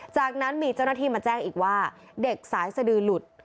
จากนั้นมีเจ้าหน้าที่มาแจ้งอีกว่าเด็กสายสดือหลุด